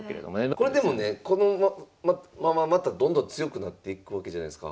これでもねこのまままたどんどん強くなっていくわけじゃないすか。